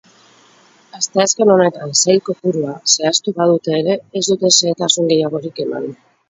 Asteazken honetan sail kopurua zehaztu badute ere, ez dute xehetasun gehiagorik eman.